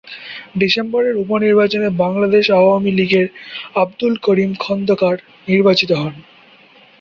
ডিসেম্বরের উপ-নির্বাচনে বাংলাদেশ আওয়ামী লীগের আবদুল করিম খন্দকার নির্বাচিত হন।